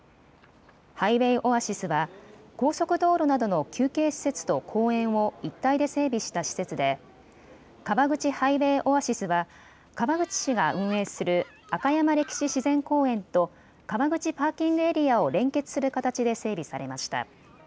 ハイウェイオアシスは高速道路などの休憩施設と公園を一体で整備した施設で川口ハイウェイオアシスは川口市が運営する赤山歴史自然公園と川口パーキングエリアを連結する形で整備されました。